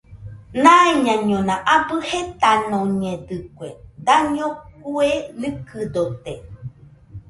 Naiñaiñona abɨ jetanoñedɨkue, daño kue nɨkɨdote